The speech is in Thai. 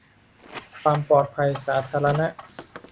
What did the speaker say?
ความปลอดภัยสาธารณะ